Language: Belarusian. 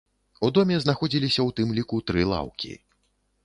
У доме знаходзіліся ў тым ліку тры лаўкі.